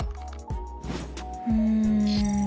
うん。